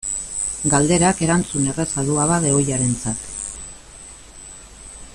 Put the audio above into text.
Galderak erantzun erraza du abade ohiarentzat.